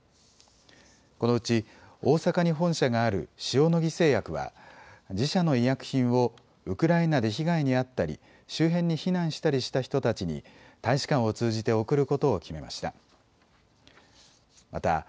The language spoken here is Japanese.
このうち大阪に本社がある塩野義製薬は自社の医薬品をウクライナで被害に遭ったり周辺に避難したりした人たちに大使館を通じて送ることを決めました。